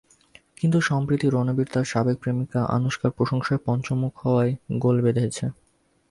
কিন্তু সম্প্রতি রণবীর তাঁর সাবেক প্রেমিকা আনুশকার প্রশংসায় পঞ্চমুখ হওয়ায় গোল বেধেছে।